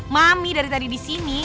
mami dari tadi disini